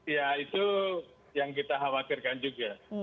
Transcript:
ya itu yang kita khawatirkan juga